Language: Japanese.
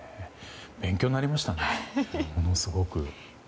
勉強になりましたねものすごく。